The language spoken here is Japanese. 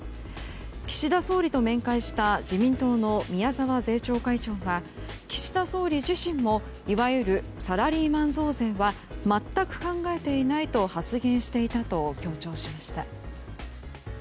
岸田総理と面会した自民党の宮沢税調会長は岸田総理自身もいわゆるサラリーマン増税は全く考えていないと発言していたと強調しました。